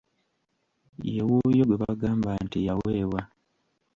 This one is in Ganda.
Ye wuuyo gwe bagamba nti: "Yaweebwa."